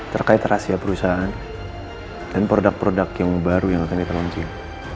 terkait rahasia perusahaan dan produk produk yang baru yang akan kita launching